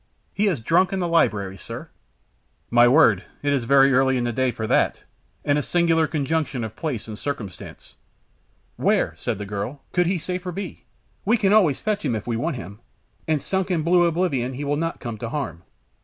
"He is drunk, in the library, sir!" "My word! It is early in the day for that, and a singular conjunction of place and circumstance." "Where," said the girl, "could he safer be? We can always fetch him if we want him, and sunk in blue oblivion he will not come to harm."